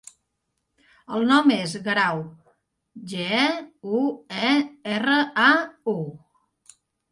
El nom és Guerau: ge, u, e, erra, a, u.